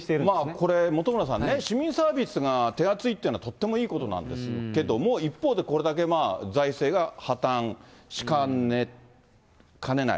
これ本村さんね、市民サービスが手厚いというのはとってもいいことなんですけども、一方でこれだけ財政が破綻しかねない。